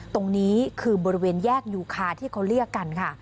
ตรงนี้คือบริเวณแยกยูคาที่เขาเรียกกันค่ะ